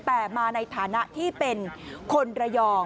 แต่มาในฐานะที่เป็นคนระยอง